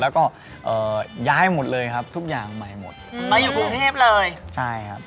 แล้วก็เอ่อย้ายหมดเลยครับทุกอย่างใหม่หมดอืมมาอยู่กรุงเทพเลยใช่ครับ